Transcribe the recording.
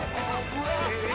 えっ！